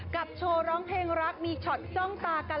กับโชว์ร้อนเครื่องรักมีช็อตจ้องตากัน